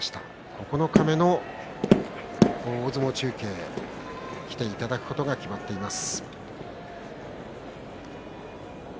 九日目の大相撲中継来ていただくことが決まっています。